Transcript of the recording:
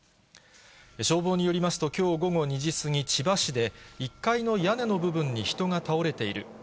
消防によりますと、きょう午後２時過ぎ、千葉市で、１階の屋根の部分に人が倒れている。